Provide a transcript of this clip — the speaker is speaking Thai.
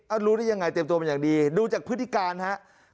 รู้ได้ยังไงเตรียมตัวมาอย่างดีดูจากพฤติการครับ